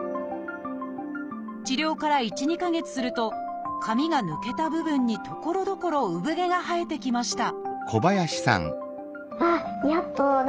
治療から１２か月すると髪が抜けた部分にところどころ産毛が生えてきました